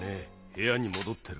部屋に戻ってろ。